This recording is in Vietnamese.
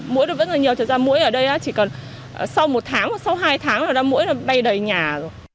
mũi nó vẫn là nhiều chẳng ra mũi ở đây chỉ cần sau một tháng hoặc sau hai tháng là mũi nó bay đầy nhà rồi